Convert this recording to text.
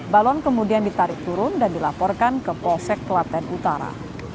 balon kemudian ditarik turun dan dilaporkan ke polsek klaten utara